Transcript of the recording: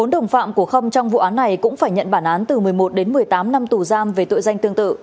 bốn đồng phạm của khâm trong vụ án này cũng phải nhận bản án từ một mươi một đến một mươi tám năm tù giam về tội danh tương tự